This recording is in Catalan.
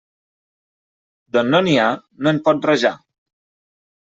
D'on no n'hi ha, no en pot rajar.